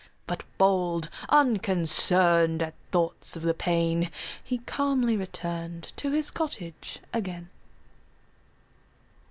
But bold, unconcern'd At thoughts of the pain, He calmly return'd To his cottage again.